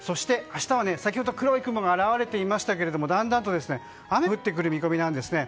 そして、明日は先ほど、黒い雲が現れていましたけれどもだんだんと雨が降ってくる見込みです。